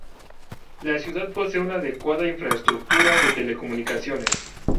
La ciudad posee una adecuada infraestructura de telecomunicaciones.